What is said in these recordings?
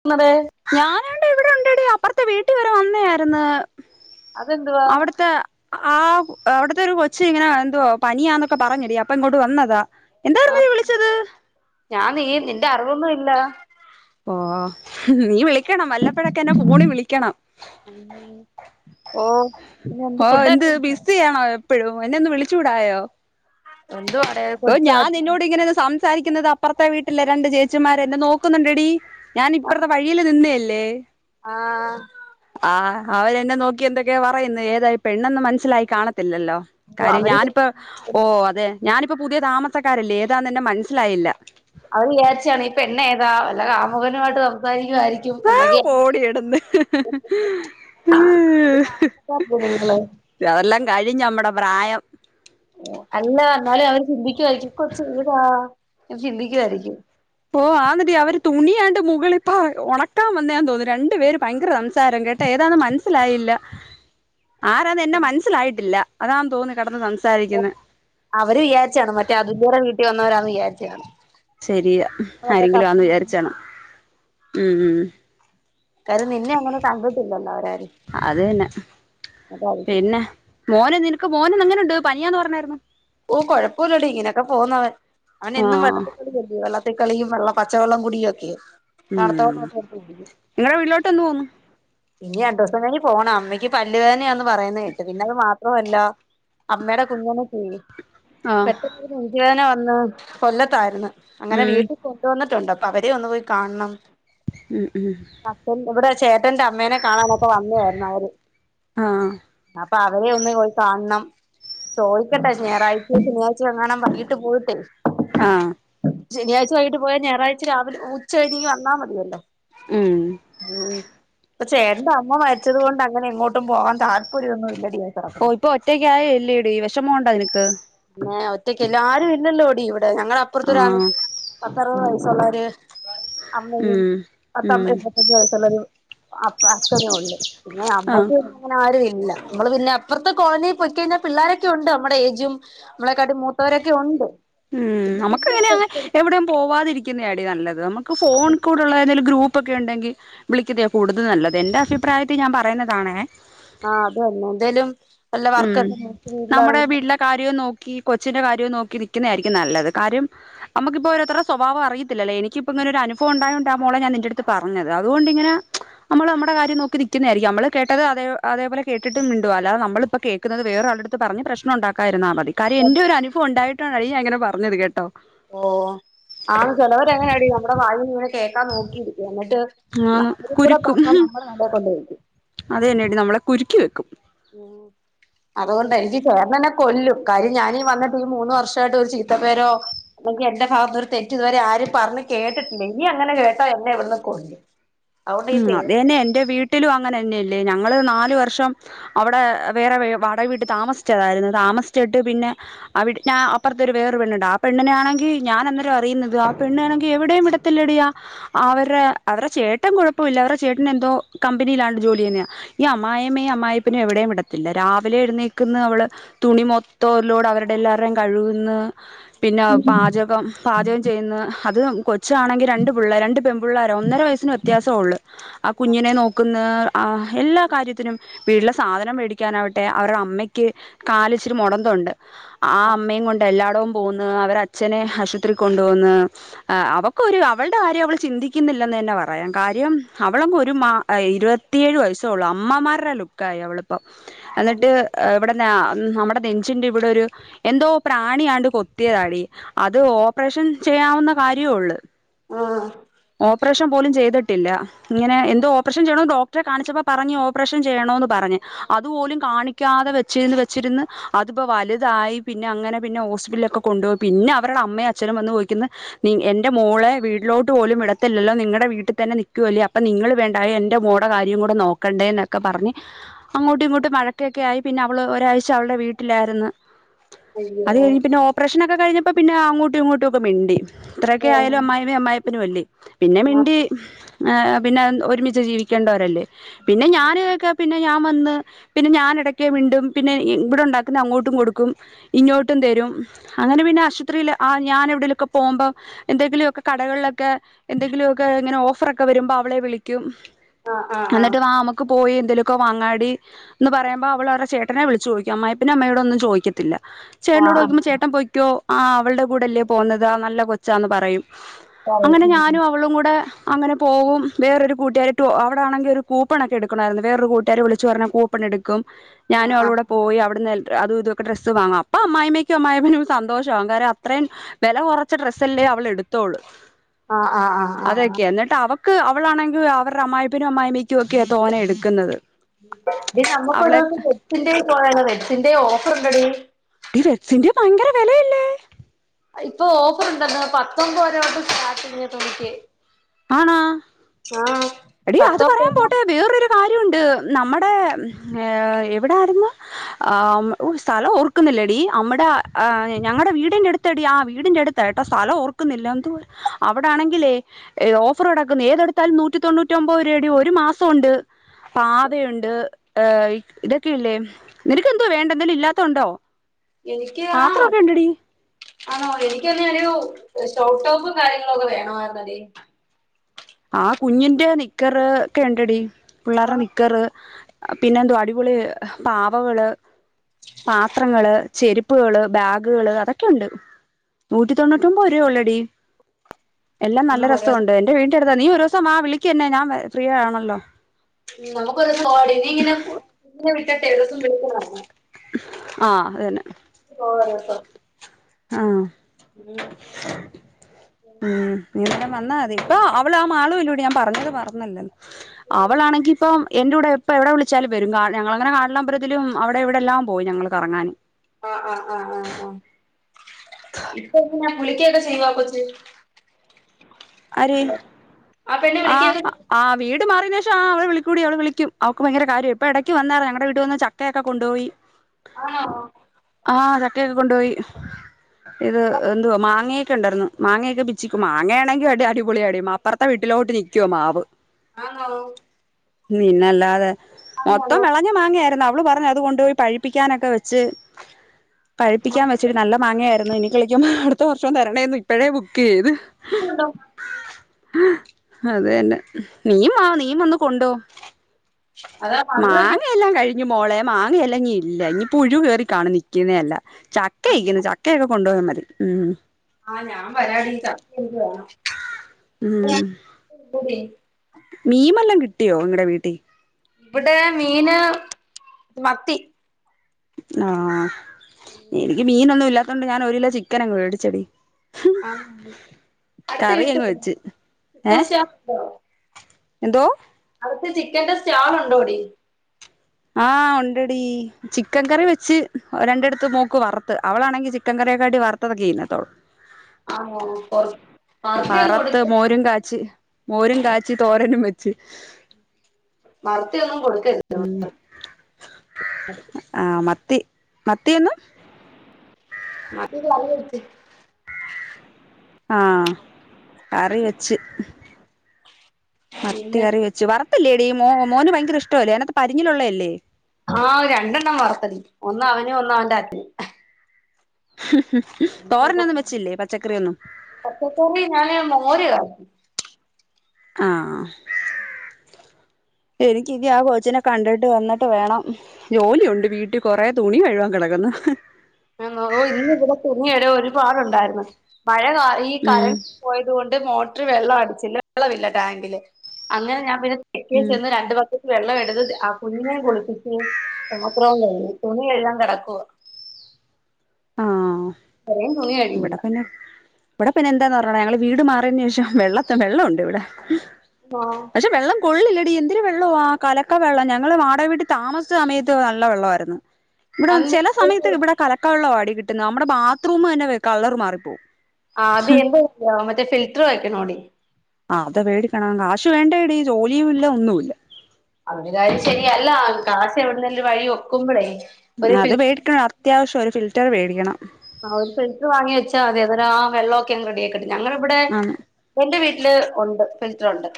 കുന്നതേ താണ്ട് ഇവിടെ ഉണ്ടെടി അപ്പർത്തെ വീട്ടി വരെ വന്നെയാര്ന്ന് അതെന്തുവാ ആ കു അവിടത്തെ ഒരു കൊച്ച് ഇങ്ങനെ എന്തോ പനിയാന്നൊക്കെ പറഞ്ഞടി അപ്പൊ ഇങ്ങോട്ട് വന്നതാ ആ എന്തായിരുന്നു നീ വിളിച്ചത് ഞാൻ നീ നി അറവൊന്നും ഇല്ലതാ ഓ നീ വിളി ളിക്കണം വല്ലപ്പോഴക്കന്നെ ഫോണി വിളിക്കണം ഓ പിന്നെ ഓ ഫുഡൊക്കെ എന്ത് കഴിച്ചോ ബിസിയണോ എ പ്പഴും എന്നെ ഒന്ന് വിളിച്ചൂടായോ എന്തുവാടെ ഓ കൊച്ചു ഞാൻ നിന്നോട് ഇങ്ങനെ സം സംസാരിക്കുന്നത് അപ്പർത്തെ വീട്ടിലേ രണ്ട് ചേച്ചിമാര് എന്നെ നോക്കുന്നുണ്ടെടി ഞാൻ ഇപ്പർത്തെ വയ്യില് നിന്നേല് പേ ആ ആ അവരെന്നെ നോക് ക്കി എന്ത പറയന്നേ ഏതാ ഈ പെണ്ണെന്ന് മനസ്സിലായി കാണ ത്തില്ലല്ലോ ഓ കാര്യം അവര് ഞാനിപ്പോ ഓ അതെ ഞാനിപ്പോ പുതിയ താമസക്കാരല്ലേ ഏതാന്ന് എന്നെ മനസ്സിലായില്ല അവര് വിചാരിച്ചാണം ഇ പെണ്ണ് ഏതാ വല്ല കാമുകനുമായിട്ട് സംസാരി ഓ പോടിയെട്ന്ന് നിങ്ങള് അതല്ലാം കഴിഞ്ഞ് നമ്മടെ പ്രായം അല്ല എന്നാലും അവര് ചിന്തിക്കുവായിരിക്കും ഈ കൊച്ച് ഏതാ ചിന്തിക്കുവായിരിക്കും ഓ ആണെടി അവര് തുണിയാണ്ട് മുകളിപ്പ ഒണക്കാൻ വന്നേന്ന് തോന്നുന്നു രണ്ടു പേര് ഭയങ്കര സംസാരം കേട്ടെ ഏതാന്ന് മനസ്സിലായില്ല ആരാന്നെ എന്നെ മനസ്സിലായിട്ടില്ല അതാ തോന്നുന്നു കടന്നു അവര് വിചാരിച്ചാണ് മറ്റേ അതുലടെ വീട്ടിൽ വന്നവരാ വിചാരിച്ചു കാണും ശരിയാ ആരെങ്കിലും ആന്ന് വിചാരിച്ചണം ഉം ഉം കാര്യം നിന്നെ അങ്ങനെ കണ്ടിട്ടില്ലല്ലോ അവരാര് അത് തന്നെ അതായിരിക്കും മോന നിനക്ക് മോൻ അങ്ങനെുണ്ട് പനിയാന്ന് പറഞ്ഞായിരുന്നു ഓ കുഴപ്പമില്ലോട ഇങ്ങനെയൊക്കെ പോന്നവ അവൻ എന്നും ആഹ് വെള്ളത്തിൽ കളിയല്ലോ വെള്ളത്തി കുട്ടക്കളിയ വെള്ള പച്ചവെള്ളം കടിയ ഒക്കെ ഉം നിങ്ങളടെ വീട്ടിലോട്ട് എന്ന് പോന്നു ഇനി രണ്ടു ദിവസം കഴി പോണം അമ്മക്ക് പല്ലുവേദന പറയുന്നത കേട്ട് പിന്നെ അത് മാത്രം കന്ന അമ്മയുടെ കുഞ്ഞനെ പോയി ആഹ് പെട്ടഞ്ചേദന കൊല്ലത്തായിരുന്നു അങ്ങനെ ഉം വീട്ടിൽ കൊണ്ടുവന്നട്ട് ണ്ട് അ അവര ഒന്ന് പോയി കാണണം ഉം ഉം ചേതൻ അമ്മേനെ കാണാനൊക്കെ വന്നായിരുന്നു അവര് ആഹ് അപ്പ അവരെ ഒന്ന പോയി കാണണം ചോ ട്ടാ ഞായറാഴ്ച ശനിയാഴ്ച എങ്ങാണാൻ വൈകിട്ട് പോയിട്ടെ ആഹ് ശനാഴ്ച വൈകിട്ട് പോയാ ഞായറഴ്ച രാവിലെ ഉച്ചഴിഞ്ഞഞ് വന്നാ മതിയല്ലോ ആ ഉം പക്ഷെ എന്റെ അമ്മ മരിച്ചത് കൊണ്ട് അങ്ങനെ എങ്ങോട്ടും പോകാൻ താല്പര്യമൊന്നുമ ഇല്ല ഓ ദിയാസറക്കന് ഇപ്പൊ ഒറ്റക്ക ആയി എല്ലടി വിഷമണ്ട നിനക്ക് ഒറ്റക്കലോടി ആരും ഇന്നെല്ലോഓടി ഞങ്ങള അപ്പുറത്ത ആഹ് പത്തറുപത് സല്ലൊരു അമ്മയും ഉം ഉം പത്തെമ്പതു എൺപതഞ്ചു വയസുള്ളൊരു അപ്പ അക്കനേ ഉള്ളേ പിന്നെ ആഹ് നമ്മക്ക് പിന്നെ അങ്ങനെ ആരു ഇല്ല നമ്മള് പിന്നെ അപ്പുറത്തെ കോളനിയിൽ പോയിക്ക കഴിഞ്ഞാൽ പിള്ളാരൊക്കെ ഉണ്ട് നമ്മുടെ ഏജും നമ്മളെ കടി മൂത്തവരൊക്കെ ഉണ്ട് ഉം പിന്നെ നമുക്ക് കുഞ്ഞു എങ്ങനെ അങ്ങ എവിടയും പോവാതിരി ക്ക്ന്നആടി നല്ലത് നമുക് ഫോൺ ആഹ് കൂടെള്ളതും ഗ്രൂപ്പ് ഇപ്പൊക്കെ ഉണ്ടെങ്കി വിളിക്ന്ന കൂടുതൽ നല്ലത് എന്റെ അഭിപ്രായത്തിൽ ഞാൻ പറയുന്നതാണേ ആഹ് അത് തന്നെ എന്തേലും വല്ല ഉം വർക്കൊക്കെ നോക്കി വീട്ടില നമ്മടെ വീട്ടിലെ കാര്യവും നോ ഈ കൊച്ചിന്റെ കാര്യവും നോക്കി നിക്കുന്നതായിരിക്കും നല്ലത്. കാര്യം നമുക്കിപ്പോ ഓരോരുത്തരുടെ സ്വഭാവം അറിയത്തില്ലല്ലോ. എനിക്കിപ്പം ഇങ്ങനൊരു അനുഭവം ഉണ്ടായതോണ്ടാ മോളേ ഞാൻ നിന്റെ അടുത്ത് പറഞ്ഞത്. അതുകൊണ്ടിങ്ങനെ നമ്മൾ നമ്മടെ കാര്യം നോക്കി നിക്കുന്നതാരിക്കും നമ്മള് കേട്ടത് അതേ അതേപോലെ കേട്ടിട്ട് മിണ്ടുവാ അല്ലാത നമ്മള് ഇപ്പം കേൾക്കുന്നത് വേറെ ആളടുത്ത് പറഞ്ഞ് പ്രശ്നം ഉണ്ടാക്കാതിരുന്നാ മതി കാര്യം എന്റെ ഒരു അനുഭവം ഉണ്ടായി [unintelligible] അങ്ങനെ പറഞ്ഞത് കേട്ടോ ഓ ആ ചെലവരങ്ങനാടി നമ്മുടെ വായിന്ന് ഇങ്ങനെ കേൾക്കാൻ നോക്കിയിരിക്കുവ [unintelligible] ട്ട് ആന്ന് അവരും കൂടെ പറഞ്ഞത് നമ്മളെ തലയിൽ കൊണ്ടുവെക്കും അതന്നെടി നമ്മളെ കുരുക്കി വെയ്ക്കും ഉം അതുകൊണ്ട് എനിക്കി ചേട്ടൻ എന്നെ കൊല്ലും കാര്യം ഞാനീ വന്നിട്ട് ഈ മൂന്ന് വർഷമായിട്ട് ഒരു ചീത്ത പേരോ അല്ലെങ്കി എന്റെ ഭാഗത്ത് നിന്ന് ഒരു തെറ്റ് ഇതുവരെ ആരും പറഞ്ഞ് കേട്ടിട്ടില്ല ഇനി അങ്ങനെ കേട്ടാ എന്നെ ഇവിടുന്ന് കൊല്ലും അതുകൊണ്ട് ഈ ഉം പേടി അതെന്നെ എന്റെ വീട്ടിലും അങ്ങനെ തന്നെയല്ലേ ഞങ്ങള് നാല് ല് വർഷം അവിടെ വേറെ വാടക വീട്ടിൽ താമസിച്ചതായിരുന്നു. താമസിച്ചിട്ട് പിന്നെ ആ വീട്ടി ഞാൻ അപ്പുറത്ത് ഒരു വേറൊരു പെണ്ണുണ്ട് ആഹ് പെണ്ണിനെ ആണെങ്കിൽ ഞാൻ അന്നേരം അറിയുന്നത് ആഹ് പെണ്ണാണെങ്കിൽ എവിടെയും വിടത്തില്ലെടി അവരുടെ അവരുടെ ചേട്ടൻ കുഴപ്പ പ്പമില്ല അവരുടെ ചേട്ടന് എന്തോ കമ്പനിയിലാണ്ട് ജോലി ചെയ്യുന്നതാ ഈ അമ്മായിമ്മയും അമ്മായി പ്പനും എവിടെയും വിടത്തില്ല. രാവിലെ എഴുന്നേക്ക്ന്നു അവള് തുണി മൊത്തോം ഒരു ലോഡ് അവരുടെ എല്ലാവരുടേയും കഴുകുന്നു. പിന്നെ പാചകം പാചകം ചെയ്യുന്ന് അത് കൊച്ചാണെങ്കി രണ്ട് പിള്ളേരാ രണ്ട് പെൺപിള്ളേരാ ഒന്നര വയസ്സിന് വ്യത്യാസ സോള്ള് ആഹ് കുഞ്ഞിനെ നോക്ക്ന്ന് ആഹ് എല്ലാ കാര്യത്തിനും വീട്ടിലെ സാധനം മേടിക്കാനാവട്ടെ അവരുടെ അമ്മയ്ക്ക് കാല് ഇച്ചിരി മുടന്തുണ്ട് ആഹ് അമ്മയേം കൊണ്ട് എല്ലാടവും പോന്ന് അവരെ അച്ഛനെ ആശുപത്രി കൊണ്ടു പോന്ന് ആഹ് അവക്കൊരു അവളുടെ കാര്യം അവൾ ചിന്തിക്കുന്നില്ലെന്നന്നെ പറയാം കാര്യം അവളങ്ങ് ഒരു മാ ഇരുപത്തിയേഴ് വയസ്സേ ഉള്ളു അമ്മമാരുടെ ലുക്കായി അവള് പ്പം അന്നിട്ട് ഇവിടെന്ന നമ്മുടെ നെഞ്ചിന്റെ ഇവിടെ ഒരു എന്തോ പ്രാണിയാണ്ട് കൊത്തിയതാടി അത് ഓപ്പറേഷൻ ചെയ്യാവുന്ന കാര്യോ ഒള്ള് ആഹ് ഓപ്പറേഷൻ പോലും ചെയ്തിട്ടില്ല ഇങ്ങനെ എന്തോ ഓപ്പറേഷൻ ചെയ്യണോന്ന് ഡോക്ടറെ കാണിച്ചപ്പോ പറഞ്ഞ് ഓപ്പറേഷൻ ചെയ്യണോന്ന് പറഞ്ഞ് അതുപോലും കാണിക്കാതെ വെച്ചിരുന്ന് വെച്ചിരുന്ന് അതിപ്പോ വലുതായി പിന്നെ അങ്ങനെ പിന്നെ ഹോസ്പിറ്റലിലൊക്കെ കൊണ്ടുപോയി പിന്നെ അവരുടെ അമ്മയും അച്ഛനും വന്നു ചോദിക്കുന്ന് നീ എന്റെ മോളെ വീട്ടിലോട്ട്- ട്ടു പോലും വിടത്തില്ലല്ലോ നിങ്ങടെ വീട്ടിൽ തന്നെ നിൽക്കുവല്ലേ അപ്പൊ നിങ്ങൾ വേണ്ടായോ എന്റെ മോടെ കാര്യം കൂടെ നോക്കണ്ടേ എന്നൊക്കെ പറഞ്ഞ് അങ്ങോട്ടും ഇങ്ങോട്ടും വഴക്കൊക്കെ ആയി പിന്നെ അവള് ഒരാഴ്ച അവളടെ വീട്ടിലായിരുന്നു അയ്യോ അത് കഴിഞ്ഞ് പിന്നെ ഓപ്പറേഷൻ ഒക്കെ കഴിഞ്ഞ് ഇപ്പ പിന്നെ അങ്ങോട്ടും ഇങ്ങോട്ടും ഒക്കെ മിണ്ടി ഇത്രക്കെ ആയാലും അമ്മായിമ്മയും അമ്മായി [unintelligible] പിന്നെ ആഹ് മിണ്ടി പിന്നെ അതിനെ ഒരുമിച്ച് ജീവിക്കേണ്ടവരല്ലേ പിന്നെ ഞാൻ അതൊക്കെ പിന്നെ ഞാൻ വന്ന് പിന്നെ ഞാന് ഇടക്ക് മിണ്ടും പിന്നെ ഇവിടെണ്ടാക്കുന്നെ അങ്ങോട്ടും കൊടുക്കും ഇഞ്ഞോട്ടും തരും അങ്ങനെ പിന്നെ ആശുത്രില് ഞാൻ എവിടൊലോക്കെ പോകുമ്പം എന്തെങ്കിലുംക്കെ കടകൾ ഒക്കെ ക്കെ എന്തെങ്കിലുക്കെ ഇങ്ങനെ ഓഫറൊക്കെ വരുമ്പോ അവളെ വിളിക്കും ആഹ് ആഹ് എന്നിട്ട് ആഹ് വാ അമ്മക്ക് പോയി എന്തെലോക്കെ വാങ്ങാടി ന്ന് പറയ്മ്പോ അവള് അവൾടെ ചേട്ടനെ വിളിച്ചു ചോയിക്കും അമ്മായിപ്പനും അമ്മയോടും ഒന്നും ചോദിക്കത്തില്ല ചേട്ടനോട് ആഹ് ചോദിക്കുമ്പോ ചേട്ടൻ പൊക്കോ ആ അവൾടെ കൂടെല്ലേ പോകുന്നത് ആ നല്ല കൊച്ചാന്ന് പറയും പറയ് അങ്ങനെ ഞാനും അവളും കൂടെ അങ്ങനെ പോവും വേറൊരു കൂട്ടാരിട്ട് അവിടെ ആണെങ്കി ഒരു കൂപ്പാണൊക്കെ എടുക്കണായിരുന്നു വേറൊരു കൂട്ടാരി വിളച്ച് പറഞ്ഞാൽ കൂപ്പൺ എടു കും ഞാനും ആഹ് ആഹ് അവളൂടെ പോയി അവിടുന്ന് അത് ഇതൊക്കെ ഡ്രസ്സ് വാങ്ങാം അപ്പൊ അമ്മായിമ്മയ്ക്കും അമ്മായിപ്പനും സന്തോഷാവും കാര്യം അത്ര വില കുറച്ച ഡ്രസ്സല്ലേ അവളെ എടുത്തോളു ആ ആ ആ ആ ആ ക്ക്‌ അവളാണെങ്കിൽ അവരുടെ അമ്മായിപ്പനും അമ്മാമക്ക് ഇ നമുക്ക് ഒരു അവളെ ദിവസം വെഡ്സിന്റെ പോണ വെഡ്സിന്റെയോ റ്റ്ന്തടി ഈ വക്സിന്റെ ഭങ്കര വിലല്ലേ ഇപ്പൊ ഓഫർ ഉണ്ടല്ലോ പത്തൊമ്പ വരോട്ട് സ്റ്റാർട്ട് ചെയ തോന്നിക്കേ ആണാ എടീ അത് പത്തൊമ്പത് പറയാൻ രൂപ പോട്ടെ വേറൊരു കാര്യണ്ട് നമ്മടെ എവിടാരുന്നു ആ സ്ഥലം ഓർക്കുന്നില്ലടി അമ്മടെ ഞങ്ങടെ വീടിന്റെ അടുത്തടി ആ വീടിന്റെ അടുത്തായിട്ടാ സ്ഥലം ഓർക്കുന്നില്ല എന്തുവാ അവിടാണെങ്കിലേ ഓഫറടക്കുന്നു ഏതെടുത്താലും നൂറ്റി തൊണ്ണൂ റ്റമ്പത് രൂപേടി ഒരു മാസൊണ്ട് പാതയുണ്ട് ഏ ഇതൊക്കെ ഇല്ലേ നിനക്കെന്തോ വേണ്ടന്തേലും ഇല്ലാത്തോണ്ടോ എനിക്ക് ആ ആണോ എനിക്ക തന്നെ ഒരു ഷോട്ടോപ്പും കാര്യങ്ങളും ഒക്കെ വേണമായിരുന്നടി ആ കുഞ്ഞിന്റെ നിക്കർ ക്കെ ണ്ടടി പിള്ളാർട ആഹ് നിക്കറ് പിന്നെന്തോ അടിപൊളി പാവകള് പാത്രങ്ങള് ചെരുപ്പുകള് ബാഗുകള് അതൊക്കെയുണ്ട് നൂറ്റി തൊണ്ണൂറ്റൊമ്പത് രൂപേ ഒള്ളടി എല്ലാം ഒരു നല്ല ദിവസം രസോണ്ട് എന്റെ വീട്ടി നീ ഒരു ദിവസം ആ വിളിക്ക് യന്നെ ഞാൻ ഫ്രീ ആണല്ലോ ഉം നമുക്കൊരോസം നീ ഇങ്ങനെ ഇങ്ങനെ വിട്ടട്ടെ ഒരോസം വിളിക്കണ ആ അതന്നെ പോവാഓരോസം ആ ഉം ഉം നീ എന്തായാലും വന്നാ മതി ഇപ്പൊ അവൾ ആ മാളൂലൂടെ ഞാൻ പറഞ്ഞത് പറഞ്ഞല്ലല്ലോ അവളാണെങ്കി ഇപ്പ എന്റുടെ ഇപ്പ എവിടെ വിളിച്ചാലും വരും ഞങ്ങങ്ങെ കാട്ടലമ്പലത്തിലും അവിടെ എവിടെ എല്ലാം പോയി ഞങ്ങള് കറങ്ങാാന് ആ ആ ആ ആ ആ ഇപ്പ പിന്നെ കുളിക്കൊക്കെ ചെയ്യോ ആ കൊച്ച് ആര് പെണ്ണ് ആ വിളിക്കൊക്കെ ആ വീട് [unintelligible] മാറ്യേനുശേഷം ആ അവള് വിളിക്കൂടി അവള് വിളിക്കും അവൾക്ക് ഭയങ്കര കാര്യം ഇപ്പ ഇടക്ക് വന്നാരുന്നു ഞങ്ങടെ വീട്ടിൽ വന്ന് ചക്കയൊക്കെ കൊണ്ടോയി ആണോ ആ ചക്കയൊക്കെ കൊണ്ടോയി ഇത് എന്തുവാ മാങ്ങയൊക്കെ ഉണ്ടായിരുന്നു മാങ്ങയൊക്കെ പിച്ചിക്കും മാങ്ങയാണെങ്കിൽ അടിപൊളിയാടി അപ്പുറത്തെ വീട്ടിലോട്ട് നിക്കുവാ മാവ് ആണോ? ഉം പിന്നല്ലാതെ മൊത്തം വെളഞ്ഞ മാങ്ങയായിരുന്നോ? അവള് പറഞ്ഞു അത് കൊണ്ടോയി പഴുപ്പിക്കാനൊക്കെ വെച്ച് പഴുപ്പിക്കാൻ വെച്ചരു നല്ല മാങ്ങായിരുന്നു ഇനി വിളിക്കുമ്പോ അടുത്ത വർഷോം തരണേന്ന് ഇപ്പഴേ ബുക്കെയ്ത് [unintelligible] ഹ അതെന്നെ നീയും വാ നീയും വന്ന് കൊണ്ടോ അതാ മധുരൊക്കെ മാങ്ങയെല്ലാം കഴിഞ്ഞു മോളെ മാങ്ങെയല്ലാം ഇനി ഇല്ല പുഴു കേറി കാണും നിക്കുന്നതെല്ലാം ചക്കനിക്കണ് ചക്കയൊക്കെ കൊണ്ടൊയാ മതി ഉം ആ ഞാൻ വരാടി ചക്കെനിക്ക് വേണം [unintelligible] മീൻ വെല്ലോം കിട്ടിയോ ഇങ്ങടെ വീട്ടിൽ ഇവടെ മീന് മത്തി ആ ഉം എനിക്ക് മീനൊന്നൂല അതുകൊണ്ട് ഞാനൊരു കിലോ ചിക്കനങ്ങ് വേടിച്ചെടി ആ കിട്ടി അങ്ങ് വെച്ച് ഏ [unintelligible] എന്തോ അവിടത്തെ ചിക്കൻ്റെ സ്റ്റാൾ ഇണ്ടോടി ആ ഒണ്ടെടി ചിക്കൻ കറി വെച്ച് രണ്ടെടത്ത് മോക്ക് വറ്ത്ത് അവളാണെങ്കി ചിക്കൻ കറ്യേക്കാട്ടി വറത്തതക്കെ തിന്നതൊള്ള് ആണോ വറുത്ത് [unintelligible] മോരും കാച്ചി മോരും കാച്ചി തോരനും വെച്ച് [unintelligible] ഉം ആ മ ത്തി മത്തി [unintelligible] [unintelligible] ആ കറി വെച്ച് മത്തി പിന്നെ കറി വെച്ച് വറത്തില്ലേ എടീ മോ മോന് ഭയങ്കര ഇഷ്ടല്ലേഅതിനകത്ത് പരിഞ്ഞലുള്ളയല്ലേ ആ രണ്ടെണ്ണം വറ്ത്തടീ ഒന്ന് അവനും ഒന്ന് അവന്റെ അച്ഛനും [unintelligible] തോരനൊന്നും വെച്ചില്ലേ പച്ചക്കറിയൊന്നും പച്ചക്കറി ഞാന് മോര് കാച്ചി ആ എനിക്ക് ഇനി ആ കോച്ചിനെ കണ്ടിട്ട് വന്നിട്ട് വേണം ജോലിയുണ്ട് വീട്ടിൽ കൊറെ തുണി കഴുകാൻ കെടക്ന്ന് ആ ഓ ഇന്ന് ഇവിടെ തുണി ഒരുപാടുണ്ടായിരുന്നു മഴ കാ ഈ ഉം കറണ്ട് പോയത്കൊണ്ട് മോട്ടർ വെള്ള അടിച്ചില്ല വെള്ളമില്ല ടാങ്കില് അങ്ങനെ ഞാൻ പിന്നെ തെക്കെ ഉം ചെന്ന് രണ്ടു പക്കറ്റ് വെള്ളം എടുത്ത് ആ കുഞ്ഞിനെയും കുളി പാത്രം കഴുകി തുണി കഴുകാൻ കെടക്കുവ ആ തുണി ബെടെ കഴുകിയില്ല പിന്നെ ബെടെ പിന്നെ എന്താ കാ ഞങ്ങള് വീട് മാറിയതിന് ശേഷം വെള്ളത്തി വെള്ളം ഉണ്ട് ഇവിടെ ആ കൊള്ളില്ലടീ എന്തില് വെള്ളോ ആ കലക്ക വെള്ളം ഞങ്ങള് വാടക വീട്ടിൽ താമസിച്ച സമയത്ത് നല്ല വെള്ളയിര്ന്ന് ഇവിടെ അന്ന് ചെല സമയത്ത് ഇവിടെ കലക്ക വെള്ളവാ ടീ കിട്ട്ന്ന നമ്മുടെ ബാത്റൂം തന്നെ വെക്കാനുള്ള മാറിപ്പോവും ആ അത് എന്ത മറ്റേ ഫിൽട്ട്ർ [unintelligible] ആ അത് മേടിക്കണം കാശ് വേണ്ടേടീ ജോലിയും ഇല്ല ഒന്നുല്ല അവിടെയായാലും ശരിയല്ല കാശ് [unintelligible] ഒരു വഴി വെക്കുമ്പോഴേ അത് വേടികനം അത്യാവശ്യം ഒരു [unintelligible] റ്റർ വേടിക്കണം ആ ഒരു ഫിൽറ്റ്ർ വാങ്ങി വെച്ചാ മതി അതി ആ വെള്ളൊക്കെ റെഡി ആക്കി ഞങ്ങളിവിടെ ആഹ് എന്റെ വീട്ടി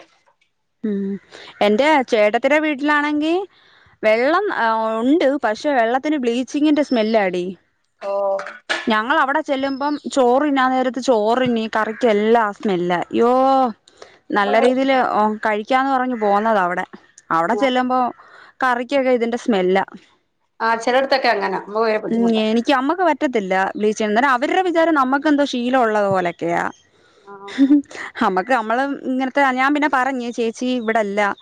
[unintelligible] ഉം എന്റെ ചേട്ട ഇത്ര വീട്ടിലാണെങ്കിൽ വെള്ളം ണ്ട് പക്ഷെ വെള്ളത്തിന് ബ്ലീച്ചിങ്ങിന്റെ സ്മെല്ലാടി ഓ ഞങ്ങളവിട ചെല്ലുമ്പം ചോറ്ന്നാ നേരത്ത് ചോറിനി കറിക്കു എല്ലാ സ്മെല്ലാ യ്യോ നല്ല രീതിൽ ഓ കഴിക്കാന്ന് പറഞ്ഞ് പോന്നത അവിടെ അവിടെ ആ ചെല്ലുമ്പോ കറിക്കൊക്കെ ഇതിന്റെ സ്മെല്ലാ ആഹ് ചിലയിടത്തൊക്കെ അങ്ങനാ നമുക്ക് ഭയങ്കര ഉ ബുദ്ധിമുട്ടാ എനിക്ക് അമ്മക്ക് പറ്റത്തില്ല ബ്ലീ ചിന്തന അവരുടെ വിചാരം നമ്മക്ക് എന്തോ ശീലം ഒള്ളത് പോലെയൊക്കെയാ ഹു ഹും അമക്ക് ക്കമ്മള് ഇങ്ങനത്തെ ഞാൻ പിന്നെ പറഞ്ഞ് ചേച്ചി ഇവിടെല്ല